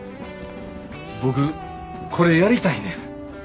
僕これやりたいねん。